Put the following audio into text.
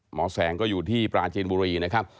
หมอแสงก็อยู่ที่ปราจีนบุรีนะครับ